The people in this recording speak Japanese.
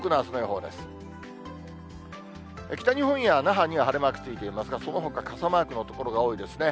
北日本や那覇には晴れマークついていますが、そのほか、傘マークの所が多いですね。